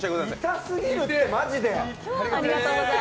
痛すぎるって、マジで。